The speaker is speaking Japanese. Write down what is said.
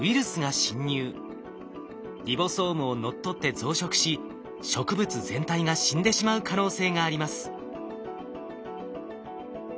リボソームを乗っ取って増殖し植物全体が死んでしまう可能性があります。